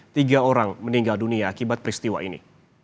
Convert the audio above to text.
tiga orang meninggal dunia akibat peristiwa ini